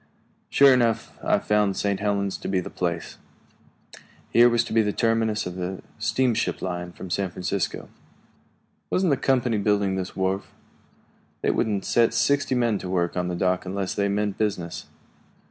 Sure enough, I found St. Helens to be the place. Here was to be the terminus of the steamship line from San Francisco. "Wasn't the company building this wharf?" "They wouldn't set sixty men to work on the dock unless they meant business."